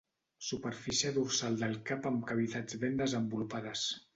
Superfície dorsal del cap amb cavitats ben desenvolupades.